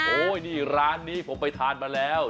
โอ้ยนี่ร้านนี้ผมไปทานมาแล้ว